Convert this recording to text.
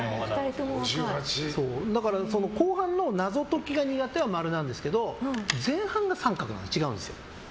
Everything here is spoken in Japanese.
だから、後半の謎解きが苦手は○なんですけど前半が△で違うんですよ。